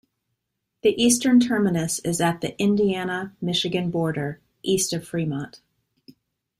The eastern terminus is at the Indiana-Michigan border, east of Fremont.